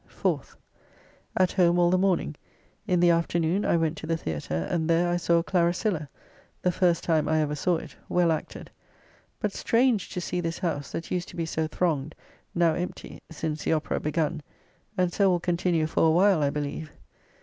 4th. At home all the morning; in the afternoon I went to the Theatre, and there I saw "Claracilla" (the first time I ever saw it), well acted. But strange to see this house, that used to be so thronged, now empty since the Opera begun; and so will continue for a while, I believe.